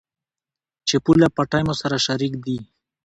چې پوله، پټي مو سره شريک دي.